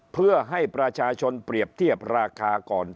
เพื่อให้ประชาชนเปรียบเทียบราคาก่อน